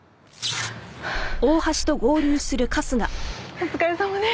お疲れさまです。